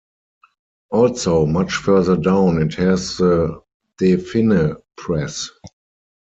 Also, much further down it has The De Vinne Press.